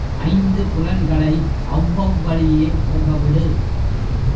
ஐந்து புலன்களை அவ்வவ் வழியே போகவிடு.